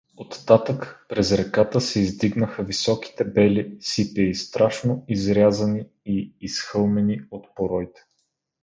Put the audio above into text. Оттатък, през реката, се издигаха високите бели сипеи, страшно изрязани и изхълмени от пороите.